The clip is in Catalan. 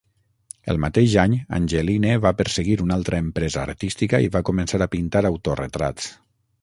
El mateix any, Angelyne va perseguir una altra empresa artística i va començar a pintar autoretrats.